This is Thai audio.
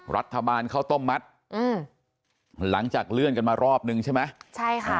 ข้าวต้มมัดอืมหลังจากเลื่อนกันมารอบนึงใช่ไหมใช่ค่ะ